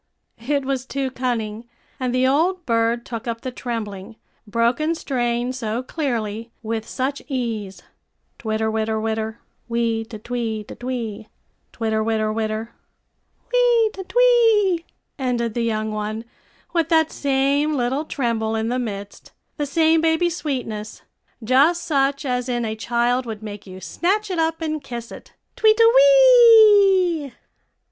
It was too cunning, and the old bird took up the trembling, broken strain so clearly, with such ease, "Twitter, witter, witter wee te twee te twee twitter, witter, witter" "Wee te twee," ended the young one, with that same little tremble in the midst, the same baby sweetness, just such as in a child would make you snatch it up and kiss it "twee te wee."